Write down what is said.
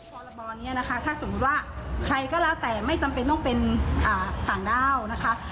พรบนี้นะคะถ้าสมมุติว่าใครก็แล้วแต่ไม่จำเป็นต้องเป็นต่างด้าวนะคะ